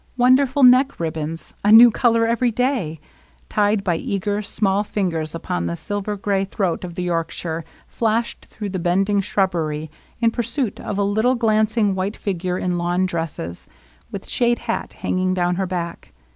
Wonderful neck ribbons, — a new color every day, — tied by eager, small fingers upon the silver gray throat of the Yorkshire, flashed through the bending shrubbery in pursuit of a little glan cing white figure in lawn dresses, with shade hat hanging down her back.